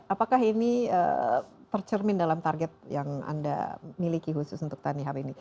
apakah ini tercermin dalam target yang anda miliki khusus untuk tni hub ini